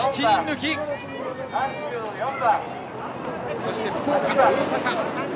そして福岡、大阪。